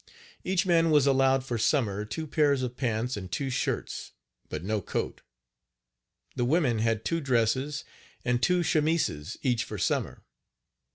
Each man was allowed for summer two pairs of pants and two shirts, but no coat. The women had two dresses and two chemises each for summer.